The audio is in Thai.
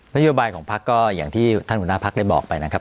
นโยบายของภักดิ์ก็อย่างที่ท่านคุณภักดิ์ได้บอกไปนะครับ